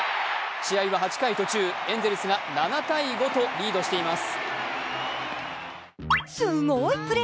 試合は８回途中、エンゼルスが７−５とリードしています。